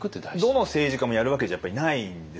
どの政治家もやるわけじゃないんですよ。